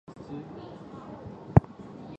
软骨耳蕨为鳞毛蕨科耳蕨属下的一个种。